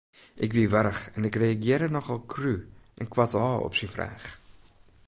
Ik wie warch en ik reagearre nochal krú en koartôf op syn fraach.